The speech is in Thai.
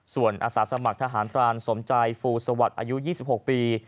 ส่วนอาสาสมัครทหารพรานสมใจฟูสวัสดิ์อายุ๒๖ปี